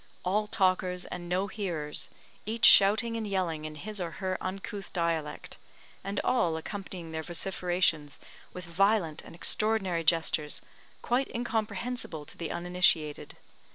All talkers and no hearers each shouting and yelling in his or her uncouth dialect, and all accompanying their vociferations with violent and extraordinary gestures, quite incomprehensible to the uninitiated.